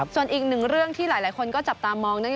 ส่วนอีกหนึ่งเรื่องที่หลายคนก็จับตามอง